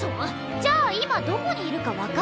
じゃあ今どこにいるか分かってる？